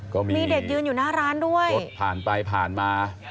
ก็มีเด็กยืนอยู่หน้าร้านด้วยรถผ่านไปผ่านมา